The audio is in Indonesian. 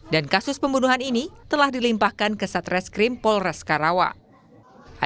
dan kasus pembunuhan ini telah dilimpahkan ke satreskrim polres karawa